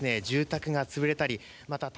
住宅が潰れたり。